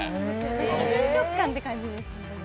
つぶつぶ食感って感じですね。